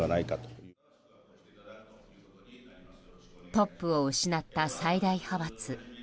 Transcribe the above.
トップを失った最大派閥。